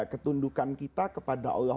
ketundukan kita kepada allah